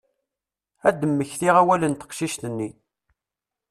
Ad d-mmektiɣ awal n teqcict-nni.